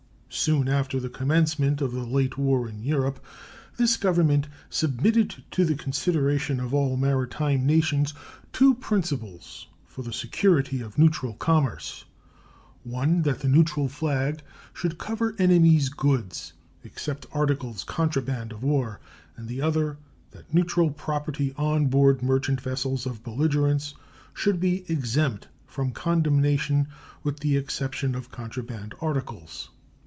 Soon after the commencement of the late war in Europe this Government submitted to the consideration of all maritime nations two principles for the security of neutral commerce one that the neutral flag should cover enemies' goods, except articles contraband of war, and the other that neutral property on board merchant vessels of belligerents should be exempt from condemnation, with the exception of contraband articles.